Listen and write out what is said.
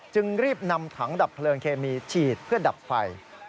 จึงรีบนำถังดับเพลิงเคมีฉีดเพื่อดับไฟ